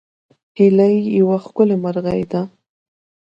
هیلۍ یوه ښکلې مرغۍ ده